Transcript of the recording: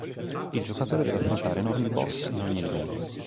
Il giocatore deve affrontare enormi boss in ogni livello.